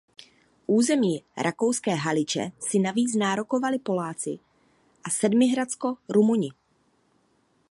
Území rakouské Haliče si navíc nárokovali Poláci a Sedmihradsko Rumuni.